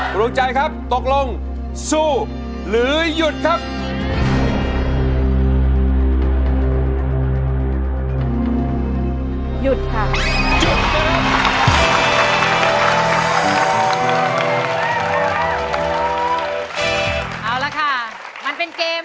ดวงใจครับตกลงสู้หรือหยุดครับ